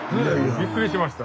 びっくりしました。